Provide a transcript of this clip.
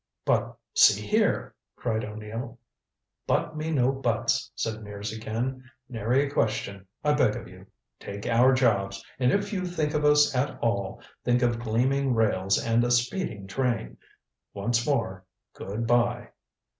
"But see here " cried O'Neill. "But me no buts," said Mears again. "Nary a question, I beg of you. Take our jobs, and if you think of us at all, think of gleaming rails and a speeding train. Once more good by."